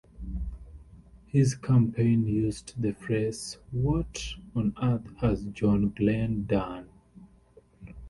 His campaign used the phrase, "What "on earth" has John Glenn done?